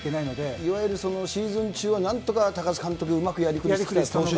いわゆるシーズン中は、なんとか高津監督、うまくやりきりたいのが。